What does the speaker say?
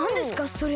それ。